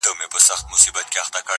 داسي به ډیرو وي پخوا لیدلی٫